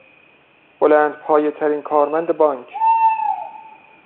بلندپایهترین کارمند بانک